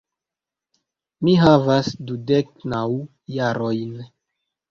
Mi havas dudek naŭ jarojn.